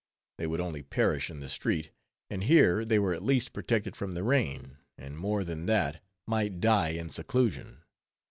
They would only perish in the street, and here they were at least protected from the rain; and more than that, might die in seclusion.